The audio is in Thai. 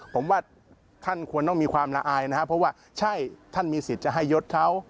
ผมว่าท่านควรต้องมีความละอายนะครับเพราะว่าใช่ท่านมีสิทธิ์จะให้ยศเขา